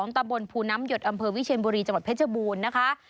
ตะบนภูน้ำหยดอำเภอวิเชียนบุรีจังหวัดเพชรบูรณ์นะคะ